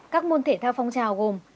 các môn thể thao phong trào gồm